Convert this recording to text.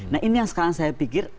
nah ini yang sekarang saya pikir